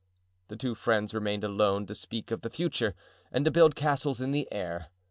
The two friends remained alone to speak of the future and to build castles in the air.